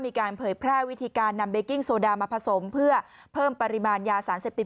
เผยแพร่วิธีการนำเบกิ้งโซดามาผสมเพื่อเพิ่มปริมาณยาสารเสพติด